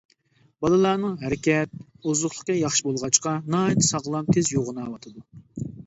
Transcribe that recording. بالىلارنىڭ ھەرىكەت، ئوزۇقلۇقى ياخشى بولغاچقا، ناھايىتى ساغلام، تېز يوغىناۋاتىدۇ.